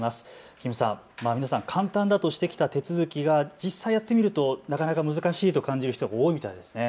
金さん、皆さん簡単だとしてきた手続きが実際やってみるとなかなか難しいと感じる人が多いみたいですね。